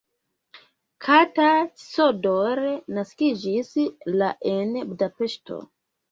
Kata Csondor naskiĝis la en Budapeŝto.